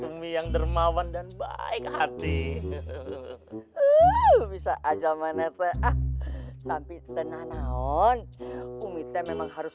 umi yang dermawan dan baik hati hehehe bisa aja manetek tapi tenang on umitnya memang harus